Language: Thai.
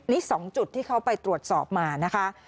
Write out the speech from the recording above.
นี่๒จุดที่เขาไปตรวจสอบมานะคะ